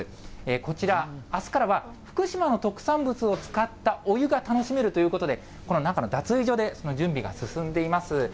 こちら、あすからは、福島の特産物を使ったお湯が楽しめるということで、この中の脱衣所でその準備が進んでいます。